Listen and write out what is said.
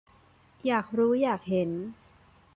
อยากรู้อยากเห็น